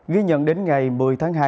ghi nhận đến ngày một mươi tháng hai